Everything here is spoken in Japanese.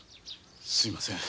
すみません。